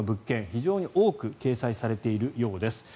非常に多く掲載されているようです。